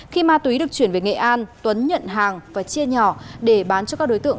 khi ma túy được chuyển về nghệ an tuấn nhận hàng và chia nhỏ để bán cho các đối tượng